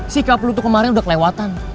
sikap lo tuh kemarin udah kelewatan